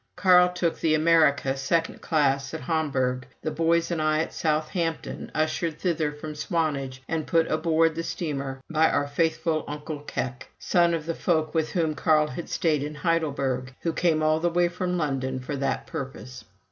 Carl took the Amerika, second class, at Hamburg; the boys and I at Southampton, ushered thither from Swanage and put aboard the steamer by our faithful Onkel Keck, son of the folk with whom Carl had stayed in Heidelberg, who came all the way from London for that purpose.